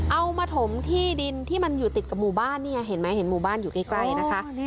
เอามาถมที่ดินที่มันอยู่ติดกับหมู่บ้านนี่ไงเห็นไหมเห็นหมู่บ้านอยู่ใกล้นะคะ